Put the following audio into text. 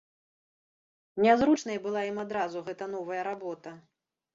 Нязручнай была ім адразу гэтая новая работа.